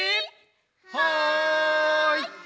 はい！